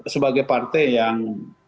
sebagai partai yang